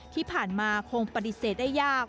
ที่ผ่านมาคงปฏิเสธได้ยาก